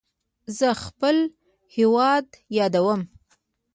زه خپل هیواد یادوم.